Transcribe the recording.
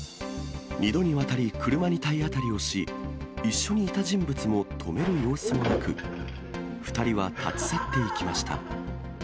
２度にわたり車に体当たりをし、一緒にいた人物も止める様子もなく、２人は立ち去っていきました。